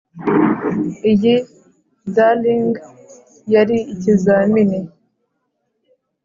iyi dallying yari ikizamini